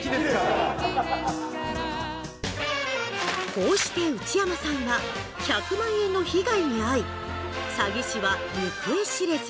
こうして内山さんは１００万円の被害に遭い詐欺師は行方知れず。